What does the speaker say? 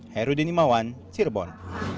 herudin imawan cirebon